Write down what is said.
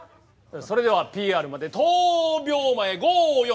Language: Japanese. それではＰＲまで１０秒前５４